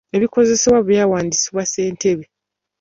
Ebikozesebwa byawandiisibwa ssentebe.